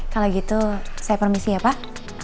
kalau gitu saya permisi ya pak